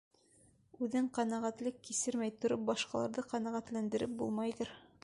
Үҙең ҡәнәғәтлек кисермәй тороп, башҡаларҙы ҡәнәғәтләндереп булмайҙыр.